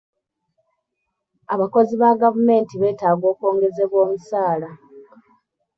Abakozi ba gavumenti beetaaga okwongezebwa omusaala